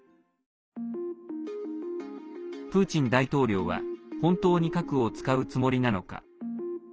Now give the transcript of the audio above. プーチン大統領は本当に核を使うつもりなのか。